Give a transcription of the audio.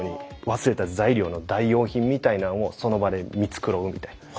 忘れた材料の代用品みたいなんをその場で見繕うみたいな。